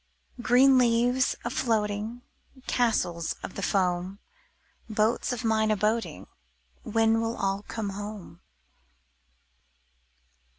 HOUSE Green leaves a floating. Castles of the foam. Boats of mine a boating — When will all come home?